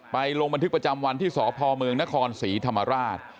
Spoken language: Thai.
ลงบันทึกประจำวันที่สพเมืองนครศรีธรรมราช